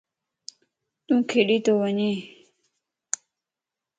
تُون کيڏي تو وڃي؟